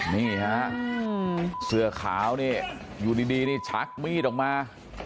นี่ฮะเสื้อขาวนี่อยู่ดีนี่ชักมีดออกมา